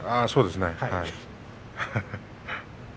そうですね。